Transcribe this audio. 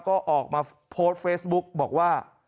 ก็ออกมาโพสต์เฟซบุ๊กบอกว่า